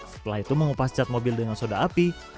setelah itu mengupas cat mobil dengan soda api